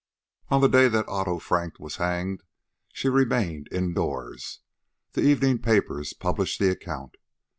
On the day that Otto Frank was hanged she remained indoors. The evening papers published the account.